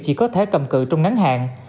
chỉ có thể cầm cự trong ngắn hàng